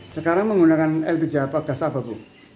sekarang menggunakan lpg apa gas apa bu